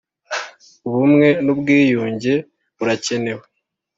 Ubumwe n ‘ubwiyunge burakenewe.